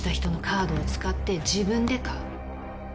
カードを使って自分で買う